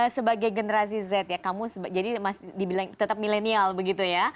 sebagai generasi z ya kamu jadi masih dibilang tetap milenial begitu ya